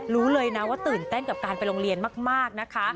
รู้เลยนะว่าตื่นเต้นกับการไปโรงเรียนมากนะคะ